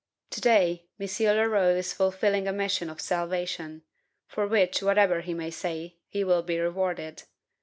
To day, M. Leroux is fulfilling a mission of salvation, for which, whatever he may say, he will be rewarded.